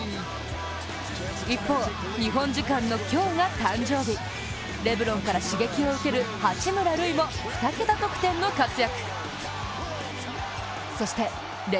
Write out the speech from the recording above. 一方、日本時間の今日が誕生日、レブロンから刺激を受ける八村塁も２桁得点の活躍。